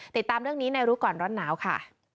ติดตามเรื่องนี้ในรู้ก่อนร้อนหนาวค่ะ